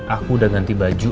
aku udah ganti baju